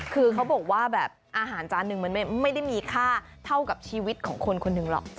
คือเขาบอกว่าแบบอาหารจานหนึ่งมันไม่ได้มีค่าเท่ากับชีวิตของคนคนหนึ่งหรอก